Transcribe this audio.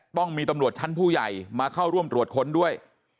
ต้องมีตำรวจชั้นผู้ใหญ่มาเข้าร่วมตรวจค้นด้วย